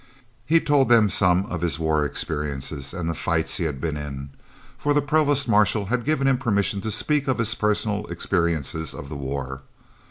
He told them some of his war experiences and the fights he had been in, for the Provost Marshal had given him permission to speak of his personal experiences of the war.